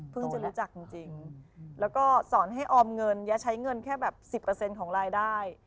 จะรู้จักจริงแล้วก็สอนให้ออมเงินอย่าใช้เงินแค่แบบ๑๐ของรายได้